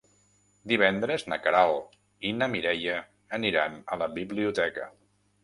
Divendres na Queralt i na Mireia aniran a la biblioteca.